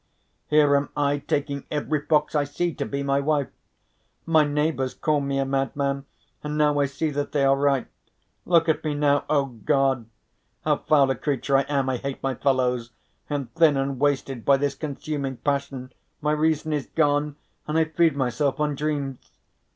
Here am I taking every fox I see to be my wife! My neighbours call me a madman and now I see that they are right. Look at me now, oh God! How foul a creature I am. I hate my fellows. I am thin and wasted by this consuming passion, my reason is gone and I feed myself on dreams.